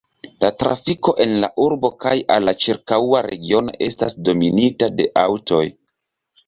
La trafiko en la urbo kaj al la ĉirkaŭa regiono estas dominita de aŭtoj.